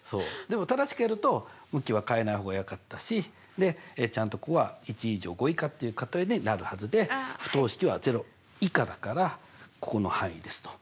でも正しくやると向きは変えない方がよかったしでちゃんとここは１以上５以下っていう答えになるはずで不等式は０以下だからここの範囲ですと。